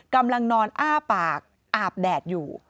กำลังนอนอ้าปากอาบแดดอยู่